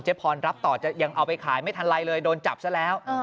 พรรับต่อจะยังเอาไปขายไม่ทันไรเลยโดนจับซะแล้ว